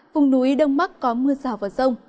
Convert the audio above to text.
vùng núi đông bắc có mưa rào vào sông